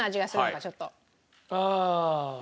ああ。